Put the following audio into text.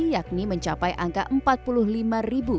yakni mencapai angka empat puluh lima ribu